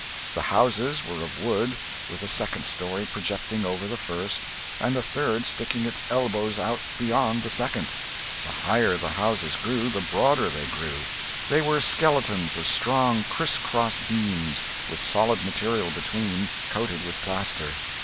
The houses were of wood, with the second story projecting over the first, and the third sticking its elbows out beyond the second. The higher the houses grew, the broader they grew. They were skeletons of strong criss cross beams, with solid material between, coated with plaster.